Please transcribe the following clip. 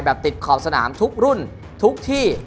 ติดขอบสนามทุกรุ่นทุกที่